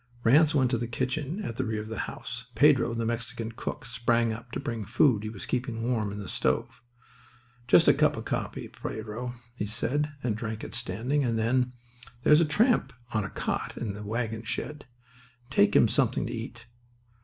Ranse went to the kitchen at the rear of the house. Pedro, the Mexican cook, sprang up to bring the food he was keeping warm in the stove. "Just a cup of coffee, Pedro," he said, and drank it standing. And then: "There's a tramp on a cot in the wagon shed. Take him something to eat.